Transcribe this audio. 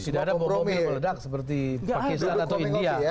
tidak ada bom yang meledak seperti pakistan atau india